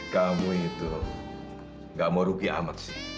kamu itu gak mau rugi amat sih